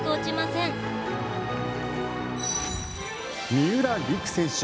三浦璃来選手